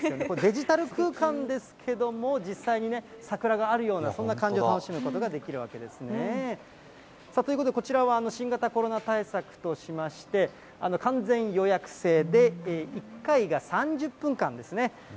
これ、デジタル空間ですけども、実際にね、桜があるようなそんな感じを楽しむことができるわけですね。ということで、こちらは新型コロナ対策としまして、完全予約制で、１回が３０分間ですね。